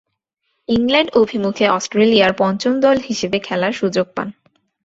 England অভিমুখে অস্ট্রেলিয়ার পঞ্চম দল হিসেবে খেলার সুযোগ পান।